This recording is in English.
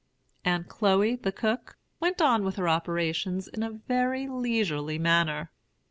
Aunt Chloe, the cook, went on with her operations in a very leisurely manner.